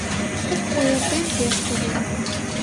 Ойыртем пеш кугу.